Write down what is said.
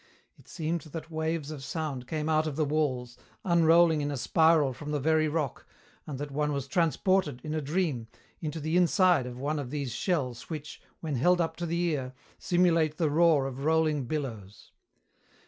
It seemed that waves of sound came out of the walls, unrolling in a spiral from the very rock, and that one was transported, in a dream, into the inside of one of these shells which, when held up to the ear, simulate the roar of rolling billows.